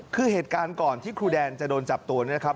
คือเหตุการณ์ก่อนที่ครูแดนจะโดนจับตัวเนี่ยครับ